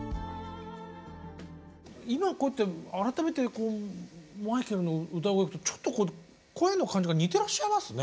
今こうやって改めてマイケルの歌声聴くとちょっと声の感じが似てらっしゃいますね。